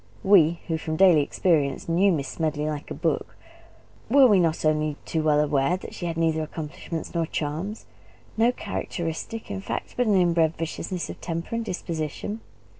We who from daily experience knew Miss Smedley like a book were we not only too well aware that she had neither accomplishments nor charms, no characteristic, in fact, but an inbred viciousness of temper and disposition?